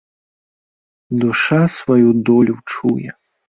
Душа сваю долю чуе.